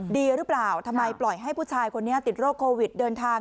ดีหรือเปล่าทำไมปล่อยให้ผู้ชายคนนี้ติดโรคโควิดเดินทาง